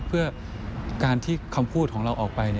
เพื่อการที่คำพูดของเราออกไป